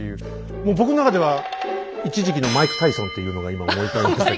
もう僕の中では一時期のマイク・タイソンというのが今思い浮かびましたけど。